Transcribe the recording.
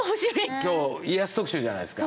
今日家康特集じゃないですか。